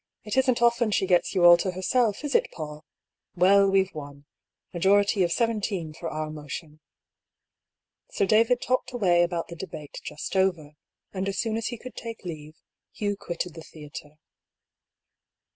It isn't often she gets you all to herself, is it, PauU ? Well, we've won. Majority of seventeen for our motion." Sir David talked away about the debate just over ; and as soon as he could take leave, Hugh quitted the theatre.